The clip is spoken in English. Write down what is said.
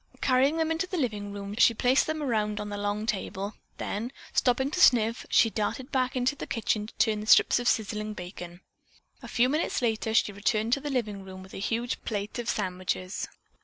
Carrying them into the living room, she placed them around on the long table, then, stopping to sniff, she darted back into the kitchen to turn the strips of sizzling bacon. A few minutes later she returned to the living room with a huge plate of sandwiches.